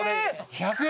１００円？